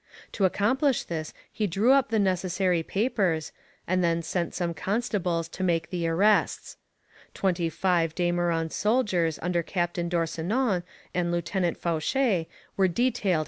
To accomplish this he drew up the necessary papers, and then sent the same constables to make the arrests. Twenty five De Meuron soldiers under Captain D'Orsonnens and Lieutenant Fauché were detailed as an escort.